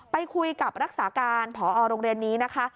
ไปคุยกับรักษาการผอโรงเรียนนี้นะคะ